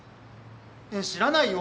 いや知らないよ